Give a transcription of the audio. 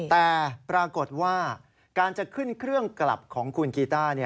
แต่ปรากฏว่าการจะขึ้นเครื่องกลับของคุณกีต้า